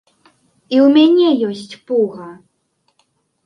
І ў мяне ёсць пуга!